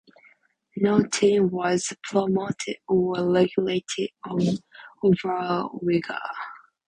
No team was promoted or relegated to Oberliga.